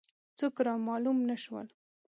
څوک را معلوم نه شول.